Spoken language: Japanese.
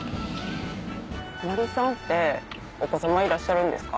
マリさんってお子様いらっしゃるんですか？